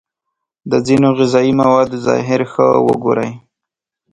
د ځینو غذايي موادو ظاهر ښه وگورئ.